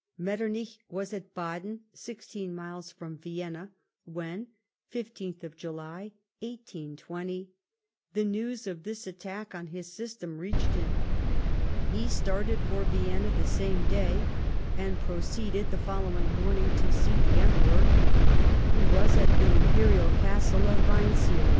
Metternich was at Baden, sixteen miles from Vienna, when (15th July, 1S20) the news of this attack on his system reached him. He started for Vienna the same day, and proceeded, the following morning, to see the Emperor, who was at the Imperial castle of ^Veinzlerl.